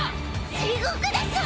地獄ですわ！